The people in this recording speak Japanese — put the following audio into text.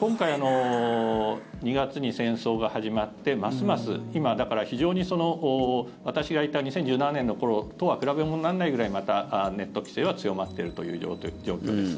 今回、２月に戦争が始まってますます今、だから、非常に私がいた２０１７年の頃とは比べ物にならないぐらいネット規制は強まっているという状況です。